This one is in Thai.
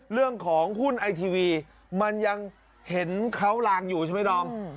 เรื่องของหุ้นไอทีวีมันยังเห็นเขาลางอยู่ใช่ไหมดอม